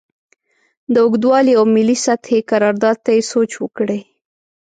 د اوږدوالي او ملي سطحې کردار ته یې سوچ وکړې.